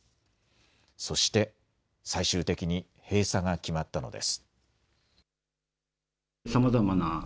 そして、最終的に閉鎖が決まったのです。